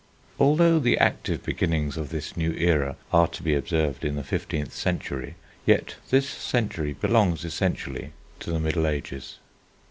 Although the active beginnings of this new era are to be observed in the fifteenth century, yet this century belongs essentially to the Middle Ages.